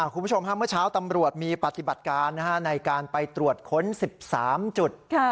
คุณผู้ชมเมื่อเช้าตำรวจมีปฏิบัติการในการไปตรวจค้น๑๓จุด